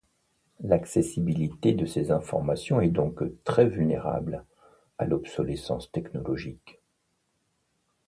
L'accessibilité de ces informations est donc très vulnérable à l'obsolescence technologique.